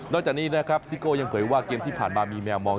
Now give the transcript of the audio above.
จากนี้นะครับซิโก้ยังเผยว่าเกมที่ผ่านมามีแมวมอง